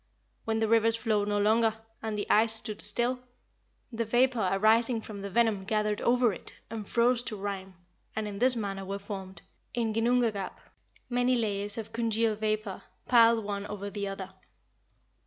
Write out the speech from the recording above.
When the rivers flowed no longer, and the ice stood still, the vapour arising from the venom gathered over it, and froze to rime, and in this manner were formed, in Ginnungagap, many layers of congealed vapour, piled one over the other."